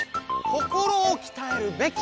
心をきたえるべき！